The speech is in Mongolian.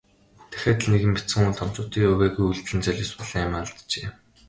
Дахиад л нэгэн бяцхан хүү томчуудын увайгүй үйлдлийн золиос болон амиа алджээ.